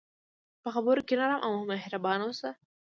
په خبرو کې نرم او مهربان اوسه.